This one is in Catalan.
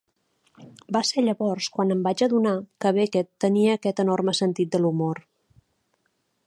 Va ser llavors quan em vaig adonar que Beckett tenia aquest enorme sentit de l'humor.